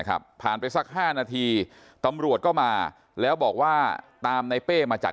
ขับผ่านไปสัก๕นาทีตำรวจก็มาแล้วบอกว่าตามในเป้มาจาก